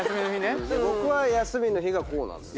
僕は休みの日がこうなのよ。